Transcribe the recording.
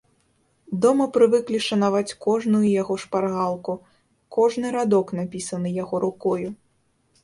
Дома прывыклі шанаваць кожную яго шпаргалку, кожны радок, напісаны яго рукою.